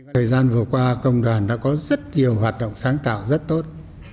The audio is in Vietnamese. thời gian vừa qua công đoàn đã có rất nhiều hoạt động sáng tạo rất tốt